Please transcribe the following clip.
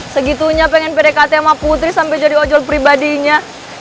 segitunya pengen pdkt sama putri sampai jadi ojol pribadinya